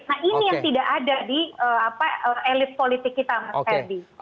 nah ini yang tidak ada di elit politik kita mas ferdi